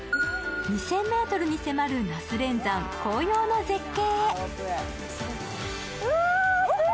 ２０００ｍに迫る那須連山紅葉の絶景。